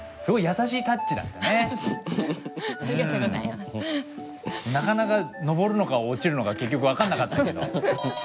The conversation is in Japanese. すごいなかなか登るのか落ちるのか結局分かんなかったけど。